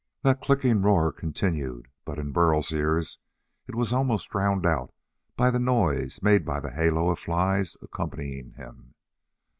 That clicking roar continued, but in Burl's ears it was almost drowned out by the noise made by the halo of flies accompanying him.